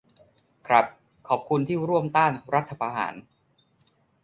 ครับ ขอบคุณที่ร่วมต้านรัฐประหาร